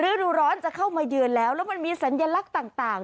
ฤดูร้อนจะเข้ามาเยือนแล้วแล้วมันมีสัญลักษณ์ต่าง